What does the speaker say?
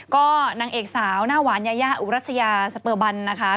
ก็นางเอกสาวหน้าหวานยายาอุรัชยาสเปอร์บันนะคะ